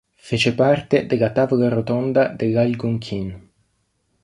Fece parte della Tavola rotonda dell'Algonquin.